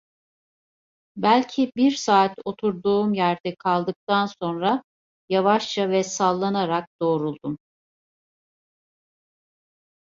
Belki bir saat oturduğum yerde kaldıktan sonra yavaşça ve sallanarak doğruldum.